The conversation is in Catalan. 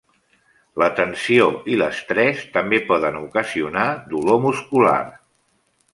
La tensió i l'estrès també poden ocasionar dolor muscular.